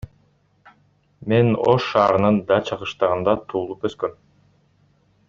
Мен Ош шаарынын Дача кыштагында туулуп өскөм.